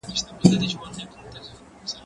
زه پرون کتابتوننۍ سره وخت تېره کړی؟!